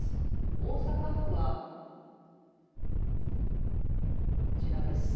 大阪府はこちらです。